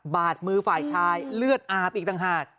บาดมือฝ่ายชายเลือดอาบอีกต่างหาก